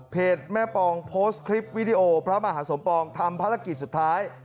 แม่ปองโพสต์คลิปวิดีโอพระมหาสมปองทำภารกิจสุดท้าย